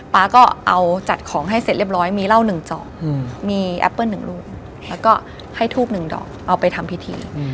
ป๊าก็เอาจัดของให้เสร็จเรียบร้อยมีเหล้า๑ดอกมีแอปเปิ้ล๑ลูกแล้วก็ให้ทูบหนึ่งดอกเอาไปทำพิธี